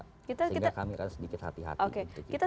sehingga kami akan sedikit hati hati